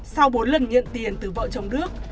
sau bốn lần nhận tiền từ vợ chồng đức